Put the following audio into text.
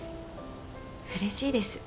うれしいです。